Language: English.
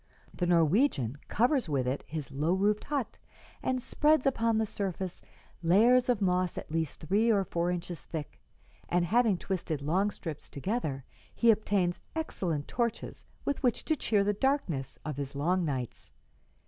The Norwegian covers with it his low roofed hut and spreads upon the surface layers of moss at least three or four inches thick, and, having twisted long strips together, he obtains excellent torches with which to cheer the darkness of his long nights.